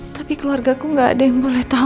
tapi keluarga aku nggak ada yang boleh tahu